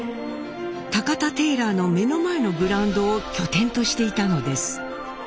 タカタテーラーの目の前のグラウンドを拠点としていたのです。